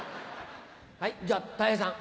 じゃあたい平さん。